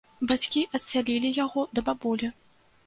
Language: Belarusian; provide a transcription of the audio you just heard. Бацькі адсялілі яго да бабулі.